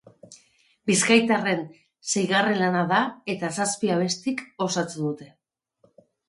Bizkaitarren seigarren lana da eta zazpi abestik osatzen dute.